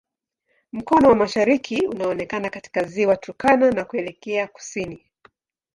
Mkono wa mashariki unaonekana katika Ziwa Turkana na kuelekea kusini.